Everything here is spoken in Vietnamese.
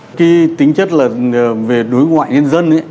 một cái tính chất là về đối ngoại nhân dân